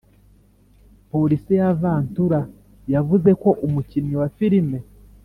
, Polisi ya Vantura yavuze ko umukinnyi wa filime